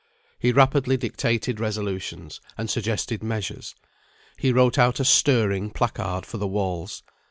He rapidly dictated resolutions, and suggested measures. He wrote out a stirring placard for the walls.